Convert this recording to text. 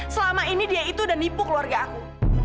selama ini dia itu dan nipu keluarga aku